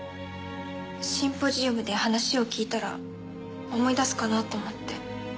シンポジウムで話を聞いたら思い出すかなと思って。